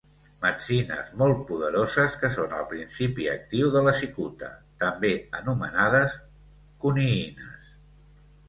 Metzines molt poderoses que són el principi actiu de la cicuta, també anomenades coniïnes.